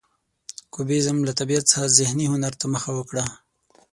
کوبیزم له طبیعت څخه ذهني هنر ته مخه وکړه.